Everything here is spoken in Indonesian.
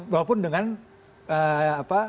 bahwa pun dengan apa